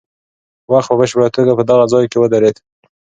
وخت په بشپړه توګه په دغه ځای کې ودرېد.